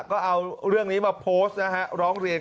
ก็เอาเรื่องนี้มาโพสต์นะฮะร้องเรียน